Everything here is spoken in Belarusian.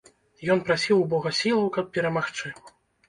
Ён прасіў у бога сілаў, каб перамагчы.